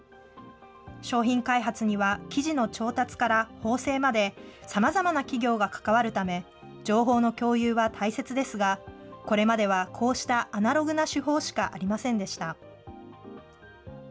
商品開発には生地の調達から縫製まで、さまざまな企業が関わるため、情報の共有は大切ですが、これまではこうしたアナログな手法しかありませんでした。